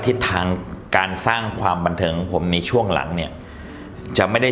ทิศทางการสร้างความบันเทิงของผมในช่วงหลังเนี่ยจะไม่ได้